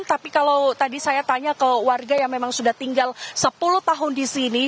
tapi kalau tadi saya tanya ke warga yang memang sudah tinggal sepuluh tahun di sini